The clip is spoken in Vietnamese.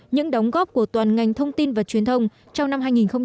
những đóng góp của toàn ngành thông tin và truyền thông trong năm hai nghìn một mươi bảy